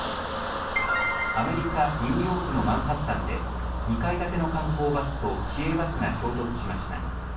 アメリカ・ニューヨークのマンハッタンで２階建ての観光バスと市営バスが衝突しました。